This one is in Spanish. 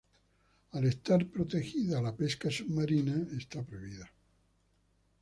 Al estar protegida la pesca submarina está prohibida.